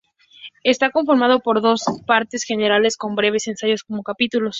Está conformado por dos partes generales, con breves ensayos como capítulos.